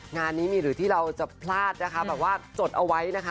งานนี้มีหรือที่เราจะพลาดนะคะแบบว่าจดเอาไว้นะคะ